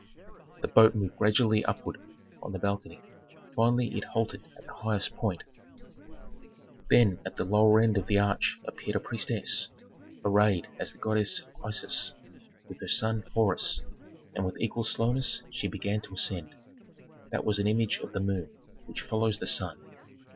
The boat moved gradually upward on the balcony; finally it halted at the highest point. Then at the lower end of the arch appeared a priestess, arrayed as the goddess Isis, with her son Horus, and with equal slowness she began to ascend. That was an image of the moon, which follows the sun.